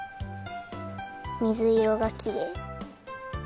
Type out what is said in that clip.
みずいろがきれい。